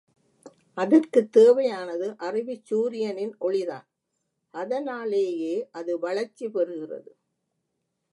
அதற்குத் தேவையானது அறிவுச் சூரியனின் ஒளிதான் அதனாலேயே அது வளர்ச்சி பெறுகிறது.